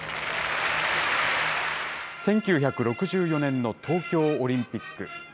１９６４年の東京オリンピック。